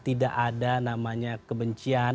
tidak ada namanya kebencian